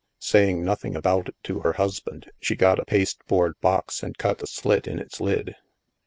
Saying nothing about it to her husband, she got a pasteboard box and cut a slit in its lid.